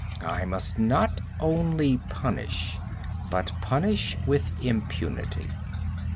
I must not only punish, but punish with impunity.